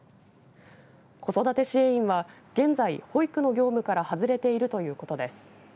子育て支援員は現在、保育の業務から外れているということです。